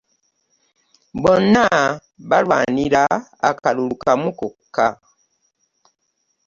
Bonna balwanira akalulu kamu kokka.